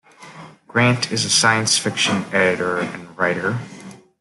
Grant is a science fiction editor and writer.